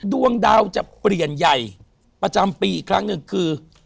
ดวงดาวจะเปลี่ยนใหญ่ประจำปีอีกครั้งหนึ่งคือ